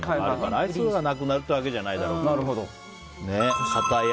アイスがなくなったわけじゃないだろうから。